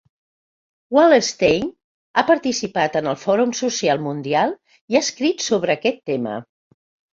Wallerstein ha participat en el Fòrum Social Mundial i ha escrit sobre aquest tema.